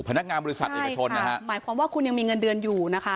พนักงานบริษัทเอกชนนะฮะหมายความว่าคุณยังมีเงินเดือนอยู่นะคะ